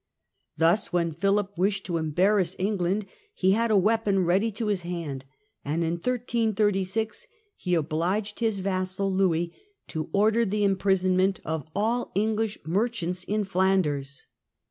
Thus when Philip wished to embarrass England he had a weapon ready to his hand, and in 1336 he obliged his vassal Louis to order the imprisonment of all EngHsh merchants in Flanders.